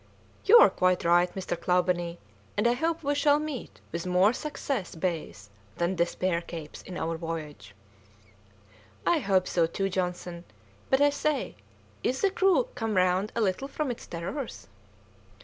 "You are quite right, Mr. Clawbonny, and I hope we shall meet with more Success Bays than Despair Capes in our voyage." "I hope so too, Johnson; but, I say, is the crew come round a little from its terrors?"